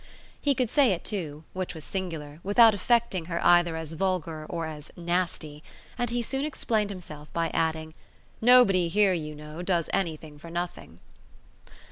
He could say it too which was singular without affecting her either as vulgar or as "nasty"; and he had soon explained himself by adding: "Nobody here, you know, does anything for nothing."